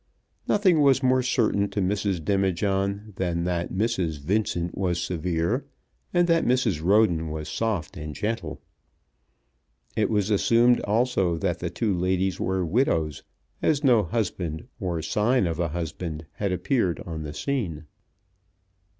Nothing was more certain to Mrs. Demijohn than that Mrs. Vincent was severe, and that Mrs. Roden was soft and gentle. It was assumed also that the two ladies were widows, as no husband or sign of a husband had appeared on the scene.